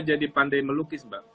jadi pandai melukis mbak